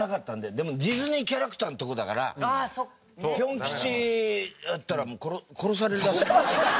でもディズニーキャラクターのとこだからピョン吉やったらもう殺されるらしい。